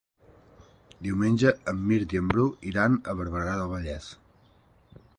Diumenge en Mirt i en Bru iran a Barberà del Vallès.